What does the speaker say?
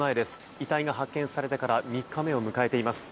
遺体が発見されてから３日目を迎えています。